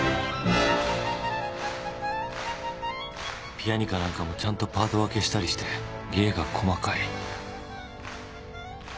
ピアニカなんかもちゃんとパート分けしたりして芸が細かい